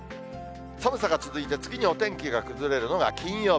寒さが続いて、次にお天気が崩れるのが金曜日。